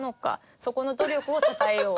そこの努力をたたえよう。